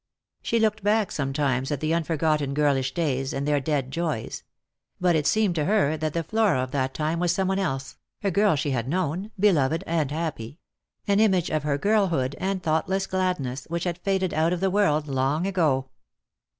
She looked back sometimes at the unforgotten girlish days and their dead joys ; but it seemed to her that the Flora of that time was some one else, a girl she had known, beloved and happy — an image of her girlhood and thoughtless gladness which had faded out of the world long ago.